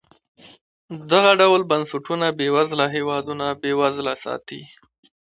دغه ډول بنسټونه بېوزله هېوادونه بېوزله ساتي.